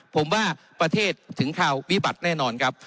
ผมว่าประเทศถึงข่าววิบัติแน่นอนครับ